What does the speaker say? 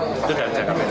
itu dari jaka bc